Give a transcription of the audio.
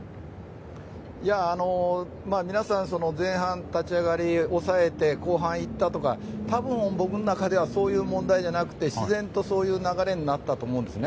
皆さん前半立ち上がり抑えて後半行ったとか多分、僕の中ではそういう問題じゃなくて自然とそういう流れになったと思うんですね。